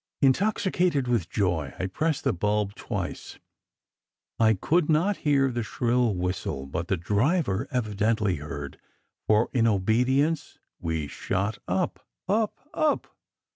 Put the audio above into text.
Intoxicated with joy, I pressed the bulb twice. I could not hear the shrill whistle, but the driver evidently heard, for in obedience we shot up up up!